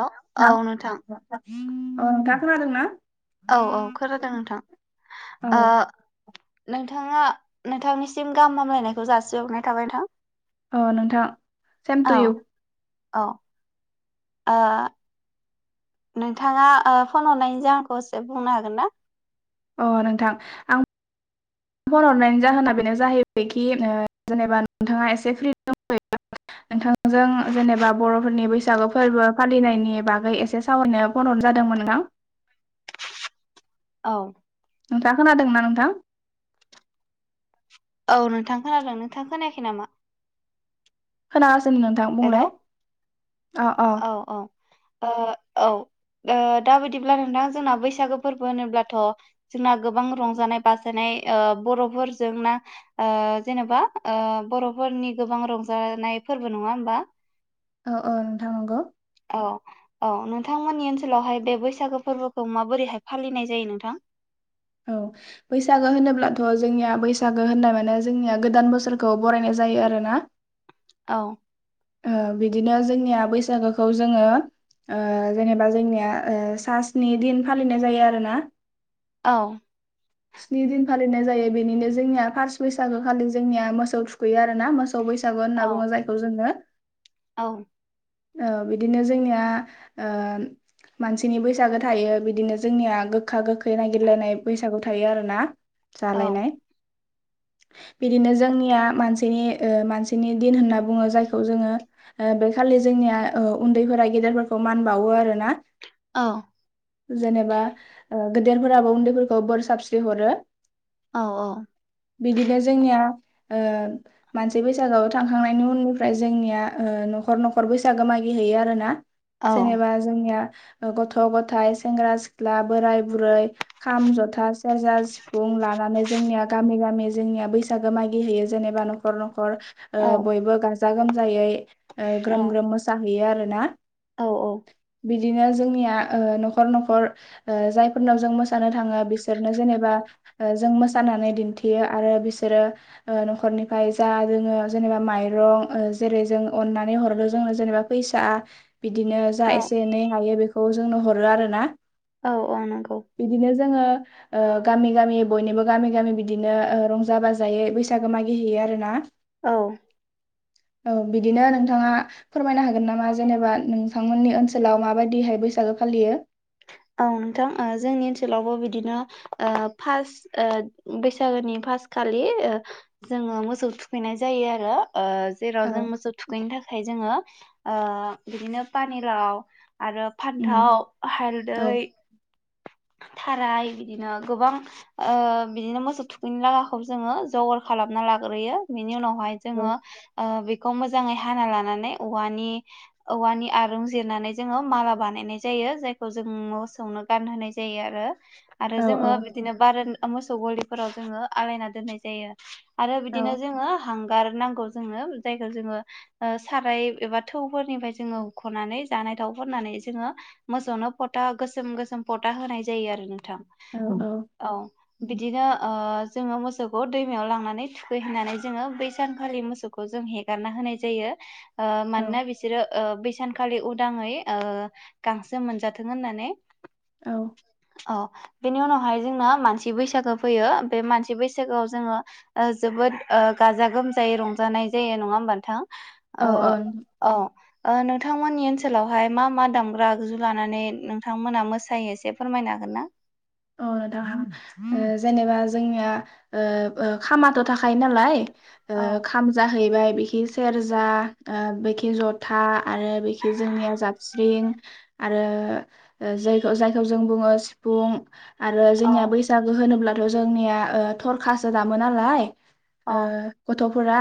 हेल' औ नोंथां। औ नोंथाङा खोनादोंना? औ औ खोनादों नोंथां। औ ओ नोंथाङा नोंथांनिसिम गाहाम हामलायनायखौ जासिहरनाय थाबाय नोंथां। अ नोंथां सेम टु इउ। अ आ नोंथाङा ओ फन हरनायनि जाहोनखौसो बुंनो हागोन ना? अ नोंथां आं फन हरनायनि जाहोना बेनो जाहैबायखि ओ जेनेबा नोंथाङा एसे फ्रि दंथ'यो [unintelligible] नोंथांजों जेनेबा बर'फोरनि बैसागु फोरबो फालिनायनि बागै एसे सावरायनो फनहरनाय जादों [unintelligible] औ नोंथाङा खोनादोंना नोंथां? औ नोंथां खोनादों नोंथां खोनायाखै नामा? खोनासैनो नोंथां हेलौ बुंलाय [inaudible] अ अ अ औ ओ दा बिदिब्ला नोंथां जोंना बैसागो फोरबो होनोब्लाथ' जोंना गोबां रंजानाय बाजानाय ओ बर'फोरजों ना अ जेनेबा ओ बर'फोरनि गोबां रंजानाय नाय फोरबो नङा होमबा औ औ नोंथां नंगौ अ अ नोंथांमोननि ओनसोलावहाय बे बैसागो फोरबोखौ माबोरैहाय फालिनाय जायो नोंथां? औ बैसागो होनोब्लाथ' जोंनिया बैसागो होननाय माने जोंनिया गोदान बोसोरखौ बरायनाय जाय जायो आरोना औ ओ बिदिनो जोंनिया बैसागोखौ जोङो ओ जेनेबा जोंनिया ओ सासनि दिन फालिनाय जायो आरोना औ स्नि दिन फालिनाय जायो बेनिनो जोंनिया फार्स बैसागो खालि जोंनिया मोसौ थुखैयो आरोना मोसौ बैसागो औ होनना बुङो जायखौ जोङो औ ओ बिदिनो जोंनिया ओ मानसिनि बैसागो थायो बिदिनो जोंनिया गोखा गोखै नागिरलायनाय बैसागु थायो आरो ना औ जालायनाय बिदिनो जोंनिया मानसिनि ओ मानसिनि दिन होनना बुङो जायखौ जोङो ओ बेखालि जोंनिया ओ उन्दैफोरा गेदेरफोरखौ मान बावो आरोना औ जेनेबा गेदेरफोराबो उन्दैफोरखौ बोर सारस्रि हरो औ बिदिनो जोंनिया ओ मानसि बैसागोआव थांखांनायनि उननिफ्राय जोंनिया ओ न'खर न'ख नखर बैसागो मागि हैयो आरोना औ जेनेबा जोंनिया ओ गथ' गथाय सेंग्रा सिख्ला बोराय बुरै खाम जथा सेरजा सिफुं लानानै जोंनिया गामि गामि जोंनिया बैसागो मागि होयो जेनेबा न'खर न'खर औ ओ बयबो गास गाजा गोमजायै ओ ग्रोम ग्रोम मोसाहैयो आरोना औ औ बिदिनो जोंनिया अ न'खर न'खर अ जायफोरनाव जों मोसानो थाङो बिसोरनो जेनेबा अ जों मोसानानै दिन्थियो आरो बिसोरो अ न'खरनिफ्राय जा जोङो जेनेबा माइरं ओ जेरै जों अननानै हर रो जोंनो जेनेबा फैसा बिदिनो जा औ एसे एनै हायो बेखौ जोंनो हरो आरो ना औ अ नंगौ जोङो अ गामि गामि बयनिबो गामि गामि बिदिनो अ रंजा बाजायै बैसागो मागिहैयो आरो ना औ औ बिदिनो नोंथाङा फोरमायनो हागोन नामा जेनेबा नोंथांमोननि ओनसोलाव माबायदिहाय बैसागो फालियो औ नोंथां जोंनि ओनसोलावबो बिदिनो अ फार्स्ट अ बैसागोनि फास खालि अ जोङो मोसौ थुखैनाय जायो आरो अ जेराव औ जों मोसौ थुखैनो थाखाय जोङो ओ बिदिनो पानिलाव आरो फान्थाव उम हालदै औ [inaudible] खाराय बिदिनो गोबां बिदिनो अ मोसौ थुखैनो लागाखौ जोङो जगार खालामना लाग्र ग्रोयो बिनि उनावहाय औ जोङो अ बेख बेखौ मोजाङै हाना लानानै औवानि औवानि आरुं जिरनानै जोङो माला बानायनाय जायो। यो जायखौ जों मोसौनो गानहोनाय जायो आरो आरो औ जोङो बिदिनो बारान मोसौ गलिफोराव जोङो आलायना दोननाय जायो आरो औ बिदिनो जोङो हां गार नांगौ जोंनो जायखौ जोङो साराय एबा थौफोरनिफ्राय जोङोखनानै जानाय थाव फोननानै जोङो मोसौनो फ'था गोसोम गोसोम फत ता होनाय जायो आरो नोंथां औ औ बिदिनो ओ जोङो मोसौखौ दैमायाव लांनानै थुखैहानै जोङो बै सानखालि मोसौखौ जों हेगारना होनाय जायो ओ औ मानना बिसोरो ओ बेसानखालि उदाङै गांसो मोनजाथों होननानै। औ औ बेनि उनावहाय जोंना मानसि बैसागो फैयो बे मानसि बैसागोआव जोङो अ जोब जोबोद गाजा गोमजायै रंजानाय जायो नङा होमब नोंथां ओ औ ओ नोंथांमोननि ओनसोलावहाय मा मा दामग्रा आगजु लानानै नोंथांमोना मोसायो फोरमायनो हागोन ना? औ [unintelligible] जेनेबा जोंनिया ओ ओ खामाथ' थाखायो नालाय ओ औ खाम जाहैबाय बिखि सेरजा अ बिखि जथा आरो बिखि जोंनिया जाबस्रिं आरो जायखौ जायखौ जों बुङो सिफुं आरो औ जोंनिया बैसागो होनोब्लाथ' जोंनिया ओ थरखासो दामो नालाय औ ओ गथ'फोरा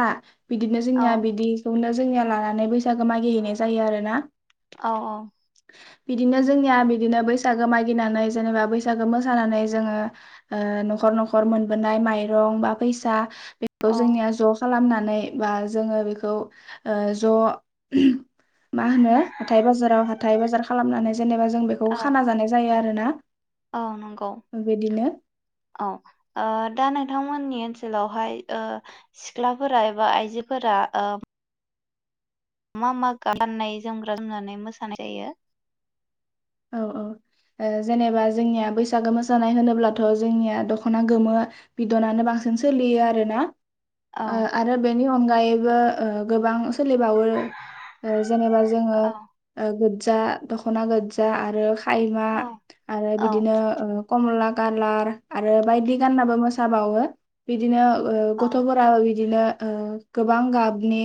बिदिनो औ जोंनिया बिदिखौनो जोंनिया लानानै बैसागो मागिहैनाय जायो आरोना। औ औ बिदिनो जोंनिया बिदिनो बैसागो मागिनानै जेनेबा बैसागु [unintelligible] मोसानानै जोङो ओ न'खर न'खर मोनबोनाय माइरं बा फैसा बेखौ औ जोंनिया ज' खालामनानै बा जोङो बेखौ ओ ज' [unintelligible] मा होनो हाथथाय बाजाराव हाथाय बाजार खालामनानै जेनेबा जों बेखौ औ खाना जानाय जायो आरो। औ नंगौ औ आ दा नोंथांमोननि सोलावहाय ओ सिख्लाफोरा एबा आइजोफोरा ओ मा मा गाननाय जोमग्रा जोमनानै मोसानाय जायो? औ औ अ जेनेबा जोंनिया बैसागो मोसानाय होनोब्लाथ' जोंनिया दख'ना गोमो बिदनानो बांसिन सोलियो आरोना औ ओ आरो बेनि अनगायैबो गोबां सोलिबावो जेनेबा जोङो औ गोज्जा दखना गोज् फा आरो खायमा औ आरो औ बिदिनो ओ कमला गालार आरो बायदि गाननाबो मोसाबावो बिदिनो औ गथ'फोराबो बिदिनो ओ गोबां गाबनि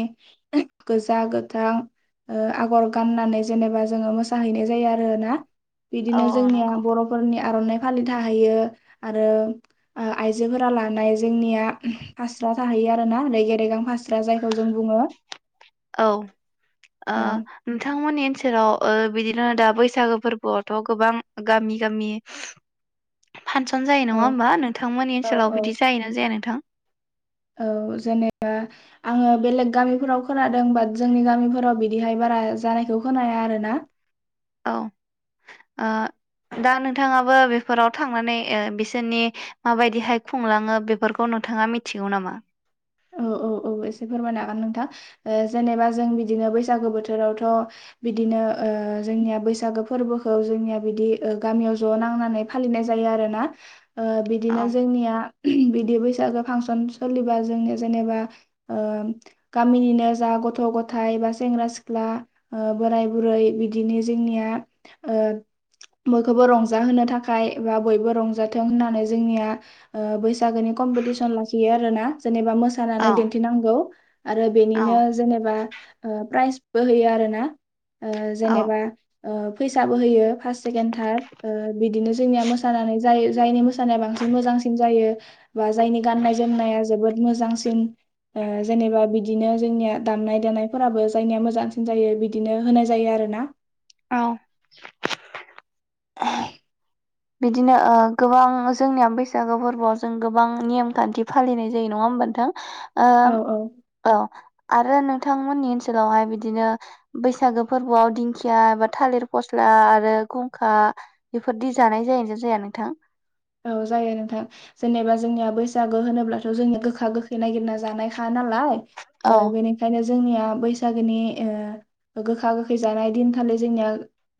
गोजा गोथां ओ आगर गाननानै जेनेबा जोङो मोसाहैनाय जायो आर आरो ना औ बिदिनो जोंनिया नंगौ बरफोरनि आर'नाइ फालिथा होैयो आरो आइजोफोरा लानाय जोंनिया फास्रा थाहैयो आरो ना रेगे रेगां फास्रा जायखौ जों बुङो औ आ औ नोंथांमोननि ओनसोराव बिदि दि दा बैसागो फोरबोआवथ' गोबां गामि गामि फांसन जायो नङा औ होमबा नोंथांमोननि औ ओनसोलाव औ बिदि जायो ना जाया नोंथां? औ जेनेबा आङो बेलेग गामिफोराव खोनादों बाट जोंनि गामिफोराव बिदिहायबा बारा जानायखौ होनाया आरोना। औ ओ दा नोंथाङाबो बेफोराव थांनानै बिसोरनि माबायदिहाय खुंलाङो बेफोरखौ न नोंथाङा मिथिगौ नामा? औ औ औ फोरमायनो होन नोंथां जेनेबा जों बिनो बैसागु बोथोरावथ बिदिनो। जोंनिया बैसागो फोरबोखौ जोंनिया बिदि गामियाव ज नांनानै फालिनाय जायो आरो ना औ बिदिनो जोंनिया बिदि बैसागो फांसन सोलिबा जोंनिया जेबा ओ गामिनिनो जा गथ गथ बा सेंग्रा सिख्ला ओ बोराय बुरै बिदिनो जोंनिया ओ बयखौबो रंजाहोनो थाखाय बा बयबो रंजाथों होननानै जोंनिया बैसागोनि कमपिसन लाखयो आरोा जेनेबा औ मोसानानै दिनथि नांगौ आरो औ बेनिनो जनोबा ओ प्रायस बो होैयो आरो ना ओ औ जेनेबा फैसाबो होयो फार्स्ट सेकेणड थार्ड बिदिनो जोंनिया मोसानानै जाय जायनि मोसानाया बांसिन मोजांसिन जायो बा जायनि गाननाय जोमनाया जोबोद मोजांसिन जेनेबा बिदिनो जोंनिया दामनाय देनायफोराबो जायनिया मोजांसिन जायो बिदिनो होनाय जायो आरो। ना औ बिदिनो गोबां जोंनिया बैसागो फोरबोआव जों गोबां नियम खान्थि फालिनाय जायो नङा होम मोनथ ओ औ औ औ आरो नोंथांमोननि ओनसोलावहाय बिदिनो बैसागो फोरबोआव दिंखिया एबा थालिर फस्ला आ आरो गुंखा बेफोरदि जानाय जायज जाया नोंथां? जायो नोंथां जेनेबा जोंनिया बैसागो होनोब्लाथ जोंनिया गोखा गोखै ननायागिरना जानाय खानाय। नालाय औ बेनियनो जोंनिया बैसागोनि गोखा गोखै जानाय दिन खालि जोंनिया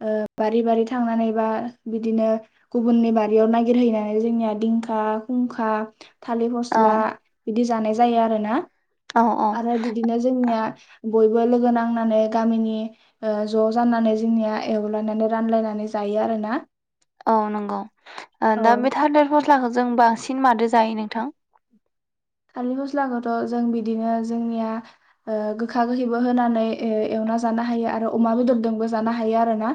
ब बारि बारि थांनानै बा बिदिनो गुबुननि बारि गिर होयैनानै जोंनि दिखा थालिर फ औ बिदि जानाय जायो आरोना औ औ आरो बिदिनो जोंनिया बयबो लोगो नांनानै गामिनि ज जानानै जोंनिया एवलायनानै रानलायनानै जायो आ आरोना औ नंगौ औ दा बे थारद फस्लाखौ जों बांसिन मादो जायो नों थां? सार मस्लाखौथ जों बिदिनो जोंनिया गोखा गोखैबो होनानै ए ज हायो आरो अमा बेदरजोंबो जानो हायो आरो ना।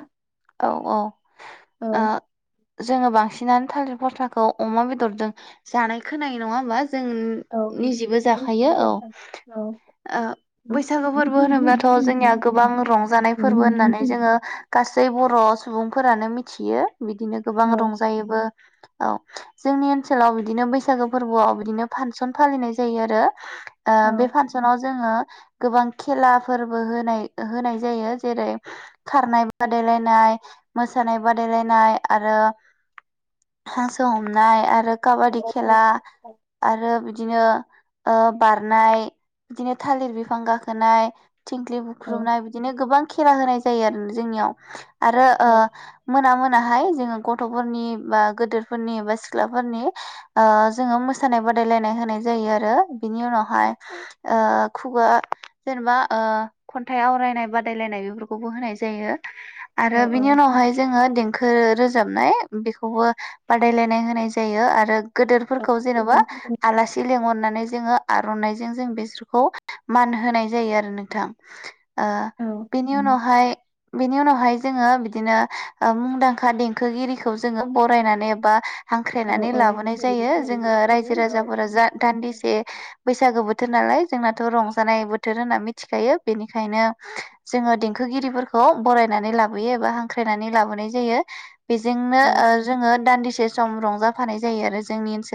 औ औ ओ जोंङो बांसिन थिनानै थालिर फस्लाखौ अमा बेदरजों जानाय खोनायो नङा होमब्ला जों औ निजेबो जाखायो औ औ ओ बैसागो फोरबो होनोब्लाथ' जोंनिया गोबां रंजानाय फोरबो होननानै जोंङो गा बर' सुबुंफोरानो मिथियो बिदिनो गोबां औ रंजायोबो। औ जोंनि ओनसोलाव बिदिनो बैसागो फोरबोआव बिदिनो फानसन फालिनाय जायो आरो। ओ औ बे फानसनाव। जोंङो गोबां खेलाफोरबो होनाय होनाय जायो जेरै खारनाय। बादायलायनाय मोसानाय बादायलायनाय आरो। हांसो हमनाय आरो औ काबादि औ खेला आरो दिनो बारनाय बिदिनो थालिर बिफां गाखोनाय। थिंख्लि बुख्रुबनाय बिदिनो गोबां खेला होनाय जायो आरो जोंनियाव। आरो औ ओ मोना मोनाहाय। जोंङो गथ'फोरनि बा गोदोरफोरनि बा सिख्लाफोरनि जोङोऔ मोसानाय बादायलायनाय होनाय जायो आरो बिनि उनावहाय। ओ खुगा जेनेबा ओ खन्थाइ आवरायनाय बादायलायनाय बेफोरखौबो होनाय जायो। औ आरो बिनि उनावहाय जोङो। खो रोजाबनाय बेखौबो बादायलायनाय होनाय जायो आरो। गोदोरफोरखौ जेनबा आलासि लेंहरनानै जोङो आर'नाइ जो। जों बेसोरखौ मान होनाय जायो आरो नोंथां। ओ बेनि उनावहाय। नि उनावहाय जोङो बिदिनो मुंदांखा देंखोगिरिखौ जोङो बरायनानै एबा। हांख्रायनानै लाबोनाय जायो जोङो रायजो औ राजाफोरा जा दान्दिसे बैसागो बोथोर नाल। जोंनाथ' रंजानाय बोथोर होनना मिथिखायो बेनिखायनो जोङो देंखोगिरि। बरायनानै लाबोयो एबा हांख्रायनानै लाबोनाय जायो बेजोंनो औ ओ जोङो दान्दि। से सम रंजाफानाय जायो आरो जोंनि ओनसोल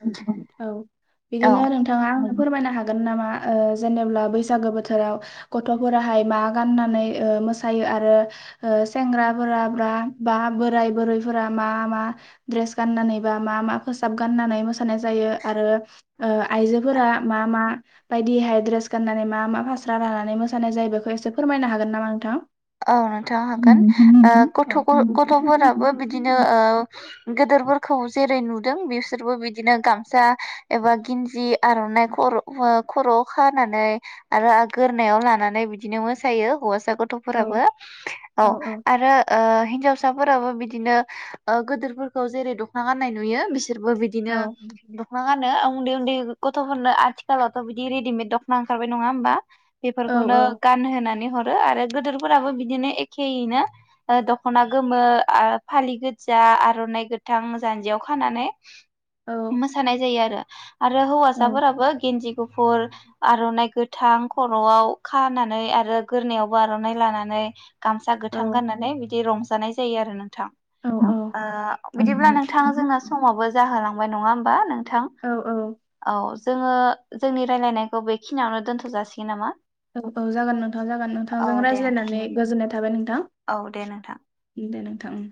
औ -औ औ बिदिनो नोंथाङा आंनो फोरमायनो हागोन नामा। ओ जेनेब्ला बैसागो बोथोराव गथ'फोराहाय मा गाननानै ओ मोसायो आरो। ओ सेंग्राफोरा ब्रा बा बोराय बुरैफोरा मा मा द्रेस गाननानै बा। मा मा गानानै मोसानाय जायो आरो ओ आइजोफोरा मा- मा बायदि हाय द्रेस गान नानै मा मा भाास्रा रानानै मोसानाय जायो बेखौ एसे फोरमायनो हागोन नामा नोंथां। औ नोंथां हागोन ओ गथ' गथ'फोराबो बिदिनोओ। गोदोरफोरखौ जेरै नुदों बिसोरबो बिदिनो गामसा एबा गिन। जि आर'नाइ खर' खर'आव खानानै आरो आगोरोनायाव लानानै बिदिनो मोसायो। हौवासा औ गथ'फोराबो औ आरो ओ। हिनजावसाफोराबो बिदिनो ओ गोदोरफोरखौ जेरै दख'ना गान्नाय नुयो बिस रबो औ बिदिनो दखना गानो। उन्दै उन्दै गथ'फोरनो आथिखालावथ' बिदि रेडिमेद दख'ना ओंखारबाय नङा होमबा। औ बेफोरखौनो औ गानहोनानै हरो आरो गोदोरफोराबो बिदिनो एख। यैनो दख'ना आ गोमो फालि गोजा आर'नाइ गोथां जान्जियाव खा औ मोसानाय जायो आरो। आरो औ हौवासाफोराबो गेन्दि गुफुर आर'नाइ गोथां खर'आव। खानानै आरो गोरोनायावबो आर'नाइ लानानै गामसा औ गोथां गाननानै बिदि रंज जानाय जायो आरो नोंथां औ ओ औ बिदिब्ला नोंथाङा जोंना समावबो जाहोलां। बाय नङा हनबा नोंथां औ औ। जोङो जोंनि रायलायनायखौ बेखिनियावनो दोन्थ' जासिगोन नामा। औ औ जागोन नोंथां जागोन औ नोंथांजों दे रायज्लायनानै गोजोननाय थाबाय नोंथां। औ दे नोंथां। दे नोंथां उम।